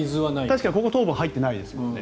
確かにここは糖分入ってないですね。